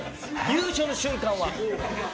優勝の瞬間は。